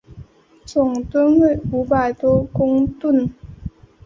总吨位五百多公顿。